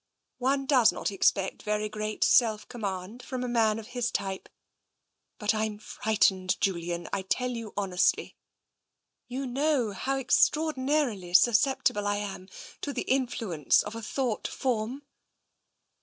" One does not expect very great self command from a man of his type. But I'm frightened, Julian, I tell you honestly. You know how extraordinarily suscept ible I am to the influence of a thought form?